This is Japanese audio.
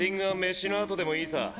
飯のあとでもいいさ。